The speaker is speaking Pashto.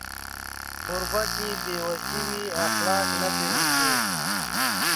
کوربه که بې وسی وي، اخلاق نه پرېږدي.